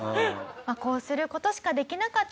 こうする事しかできなかったですよね。